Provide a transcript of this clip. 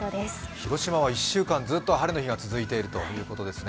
広島は１週間ずっと晴れの日が続いているということですね。